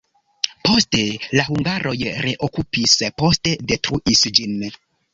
Poste la hungaroj reokupis, poste detruis ĝin.